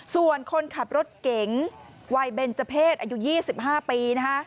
ส่วนคนขับรถเก๋งวัยเบนเจอร์เพศอายุ๒๕ปี